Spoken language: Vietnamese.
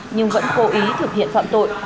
nhưng vẫn cố ý thực hiện phạm tội